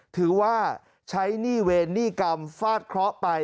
ถือว่าใช้หนี้เวรหนี้กรรมฟาดเคราะห์ไป